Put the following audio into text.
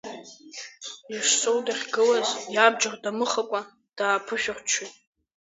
Ешсоу дахьгылаз, иабџьар дамыхакәа, дааԥышәырччоит.